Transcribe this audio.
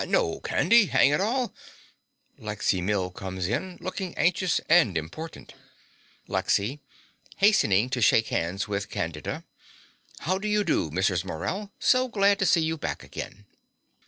Aw, no, Candy. 'Ang it all! (Lexy Mill comes in, looking anxious and important.) LEXY (hastening to shake hands with Candida). How do you do, Mrs. Morell? So glad to see you back again.